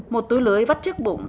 một túi lưới vắt trước bụng